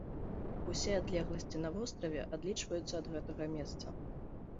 Усе адлегласці на востраве адлічваюцца ад гэтага месца.